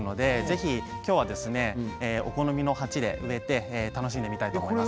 ぜひ今日はお好みの鉢で植えて楽しんでいきたいと思います。